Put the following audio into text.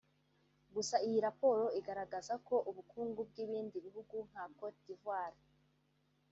Gusa iyi raporo igaragaza ko ubukungu bw’ibindi bihugu nka Cote d’Ivoire